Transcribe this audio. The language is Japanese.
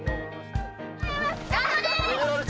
頑張れ！